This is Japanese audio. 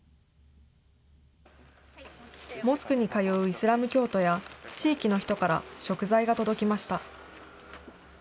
モスクに通うイスラム教徒や地域の人から食材が届きました。